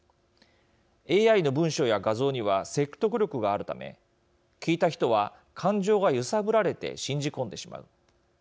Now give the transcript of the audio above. ＡＩの文章や画像には説得力があるため聞いた人は感情が揺さぶられて信じ込んでしまう。